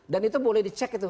dan itu boleh dicek itu